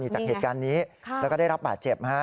จากเหตุการณ์นี้แล้วก็ได้รับบาดเจ็บ